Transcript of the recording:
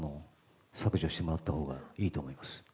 削除してもらったほうがいいと思います。